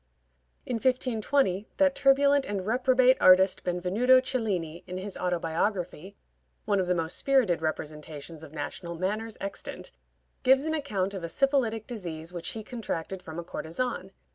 In 1520, that turbulent and reprobate artist Benvenuto Cellini, in his autobiography (one of the most spirited representations of national manners extant) gives an account of a syphilitic disease which he contracted from a courtesan.